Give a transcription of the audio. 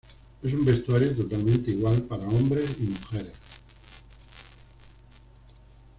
Es un vestuario totalmente igual para hombres y mujeres.